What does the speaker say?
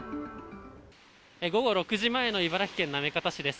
午後６時前の茨城県行方市です。